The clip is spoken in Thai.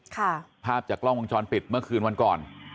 ค่ะภาพจากกล้องวางช้อนปิดเมื่อคืนวันก่อน